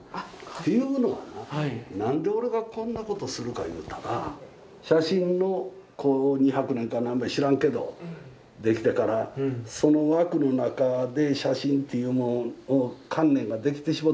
というのはななんで俺がこんなことするかいうたら写真のこう２００年かなんぼや知らんけど出来てからその枠の中で写真という観念が出来てしもうてるわけや。